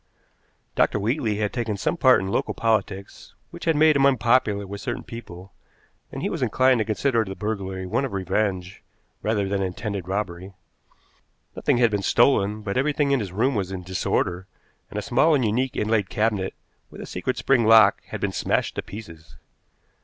Dr. Wheatley had taken some part in local politics which had made him unpopular with certain people, and he was inclined to consider the burglary one of revenge rather than intended robbery. Nothing had been stolen, but everything in his room was in disorder, and a small and unique inlaid cabinet with a secret spring lock had been smashed to pieces.